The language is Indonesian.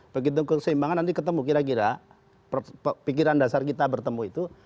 begitu keseimbangan nanti ketemu kira kira pikiran dasar kita bertemu itu